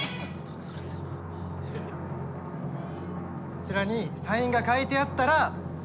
こちらにサインが描いてあったら。